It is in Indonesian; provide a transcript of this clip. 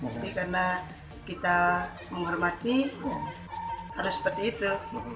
jadi karena kita menghormati harus seperti itu